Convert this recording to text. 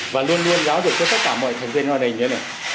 và luôn luôn giáo dục cho tất cả mọi thành viên gia đình nữa